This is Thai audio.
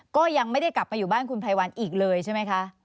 ก็ยังไม่ได้กลับมาอยู่บ้านคุณไพรวัลอีกเลยใช่ไหมคะ